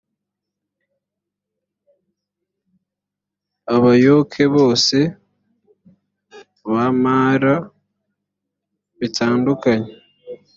abayoke bose bamera bitandukanye.